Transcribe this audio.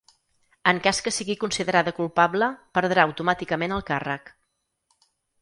En cas que sigui considerada culpable perdrà automàticament el càrrec.